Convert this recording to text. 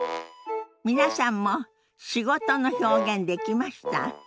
皆さんも「仕事」の表現できました？